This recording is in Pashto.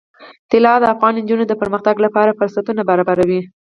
طلا د افغان نجونو د پرمختګ لپاره فرصتونه برابروي.